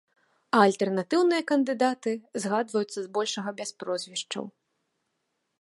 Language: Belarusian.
А альтэрнатыўныя кандыдаты згадваюцца збольшага без прозвішчаў.